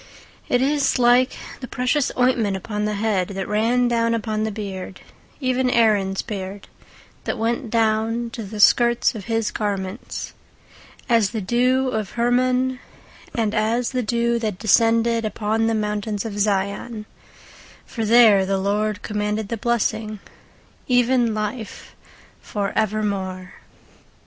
19:133:002 It is like the precious ointment upon the head, that ran down upon the beard, even Aaron's beard: that went down to the skirts of his garments; 19:133:003 As the dew of Hermon, and as the dew that descended upon the mountains of Zion: for there the LORD commanded the blessing, even life for evermore.